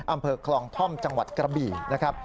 อำเภอคลองท่อมจังหวัดกระบี่นะครับ